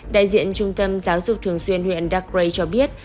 đại diện trung tâm giáo dục thường xuyên huyện dark gray cho biết